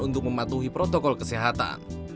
untuk mematuhi protokol kesehatan